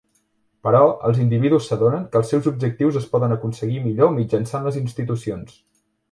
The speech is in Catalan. Però, els individus s'adonen que els seus objectius es poden aconseguir millor mitjançant les institucions.